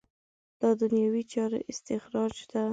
دا دنیوي چارو استخراج ده.